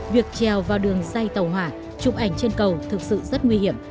việc treo vào đường dây tàu hỏa chụp ảnh trên cầu thực sự rất nguy hiểm